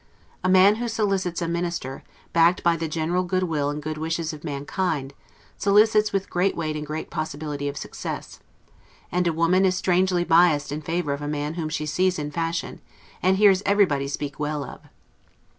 A man who solicits a minister, backed by the general good will and good wishes of mankind, solicits with great weight and great probability of success; and a woman is strangely biassed in favor of a man whom she sees in fashion, and hears everybody speak well of.